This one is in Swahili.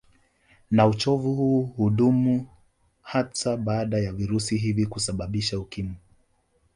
Na uchovu huu hudumu hata baada ya virusi hivi kusababisha Ukimwi